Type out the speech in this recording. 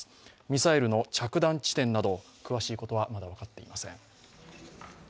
ミサイルの着弾地点など詳しいことはまだ分かっていません。